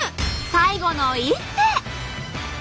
最後の一手。